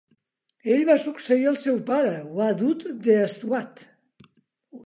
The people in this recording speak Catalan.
Ell va succeir al seu pare, Wadud de Swat.